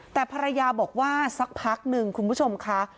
แต่ภรรยาบอกว่าสักพักนึงคุณผู้ชมค่ะ